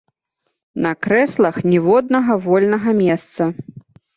На крэслах ніводнага вольнага месца.